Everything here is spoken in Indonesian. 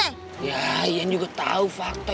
iya iyan juga tau fakta